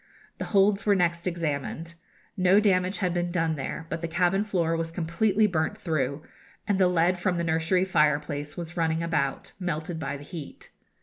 The holds were next examined. No damage had been done there; but the cabin floor was completely burnt through, and the lead from the nursery fireplace was running about, melted by the heat.